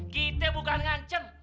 kita bukan ngancem